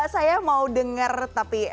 saya mau dengar tapi